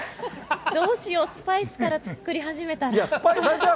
どうしよう、スパイスから作り始めたら。